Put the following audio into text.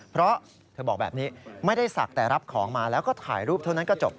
เพราะเธอบอกแบบนี้ไม่ได้ศักดิ์แต่รับของมาแล้วก็ถ่ายรูปเท่านั้นก็จบ